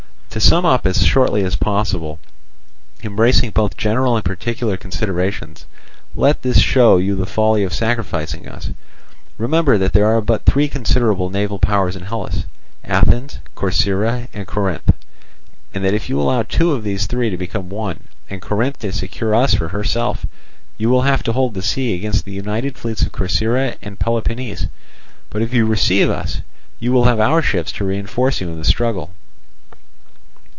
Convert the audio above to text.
To sum up as shortly as possible, embracing both general and particular considerations, let this show you the folly of sacrificing us. Remember that there are but three considerable naval powers in Hellas—Athens, Corcyra, and Corinth—and that if you allow two of these three to become one, and Corinth to secure us for herself, you will have to hold the sea against the united fleets of Corcyra and Peloponnese. But if you receive us, you will have our ships to reinforce you in the struggle."